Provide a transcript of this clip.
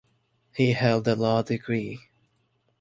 He held a law degree.